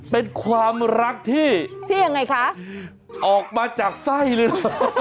เป็นความรักที่ออกมาจากไส้เลย